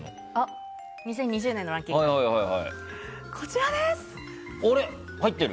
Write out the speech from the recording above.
２０２０年のランキングはこちらです。